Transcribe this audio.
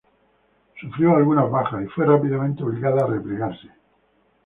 Sufrió algunas bajas, y fue rápidamente obligada a replegarse.